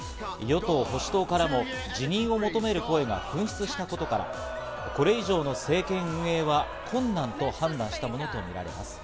与党、保守党からも辞任を求める声が噴出したことから、これ以上の政権運営は困難と判断したものとみられます。